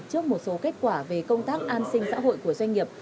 trước một số kết quả về công tác an sinh xã hội của doanh nghiệp